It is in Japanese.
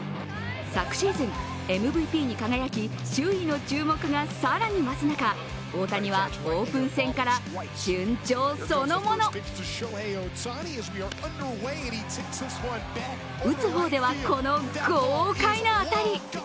昨シーズン、ＭＶＰに輝き周囲の注目が更に増す中大谷はオープン戦から順調そのもの打つ方では、この豪快な当たり。